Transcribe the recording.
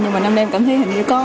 nhưng mà năm em cảm thấy hình như có